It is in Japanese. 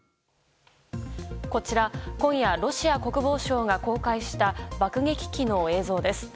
こちら、今夜ロシア国防省が公開した爆撃機の映像です。